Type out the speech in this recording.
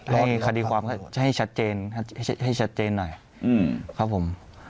ให้คดีความชัดเจนหน่อยครับผม